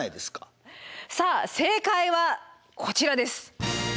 さあ正解はこちらです。